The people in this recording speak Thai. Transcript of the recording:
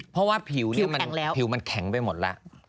เพราะว่าผิวมันแข็งไปหมดแล้ว